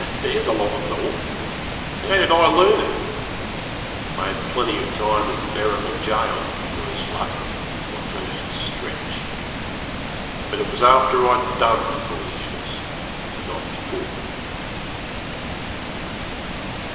There's a lot of law! How did I learn it? I had plenty of time in Berrima Gaol worse luck my first stretch. But it was after I'd done the foolishness, and not before.